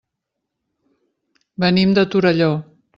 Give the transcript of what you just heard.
Venim de Torelló.